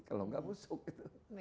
kalau enggak busuk gitu